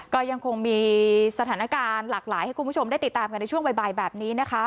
ก็ยังคงมีสถานการณ์หลากหลายให้คุณผู้ชมได้ติดตามกันในช่วงบ่ายแบบนี้นะคะ